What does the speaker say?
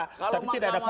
tapi tidak ada fakta